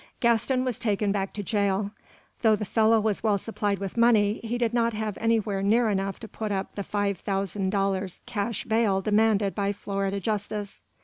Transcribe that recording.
Gaston was taken back to jail. Though the fellow was well supplied with money, he did not have anywhere near enough to put up the five thousand dollars cash bail demanded by Florida justice.